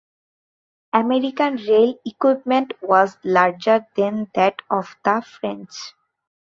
American rail equipment was larger than that of the French.